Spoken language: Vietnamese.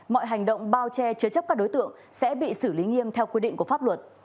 mọi hành động bao che chứa chấp các đối tượng sẽ bị xử lý nghiêm theo quy định của pháp luật